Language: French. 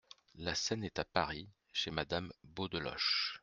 La scène est à Paris, chez Madame Beaudeloche.